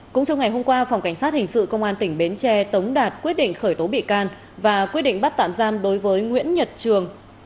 cũng trong ngày hôm qua phòng cảnh sát hình sự công an tỉnh bến tre tống đạt quyết định khởi tố bị can và quyết định bắt tạm giam đối với nguyễn nhật trường